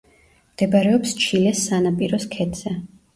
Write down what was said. მდებარეობს ჩილეს სანაპიროს ქედზე.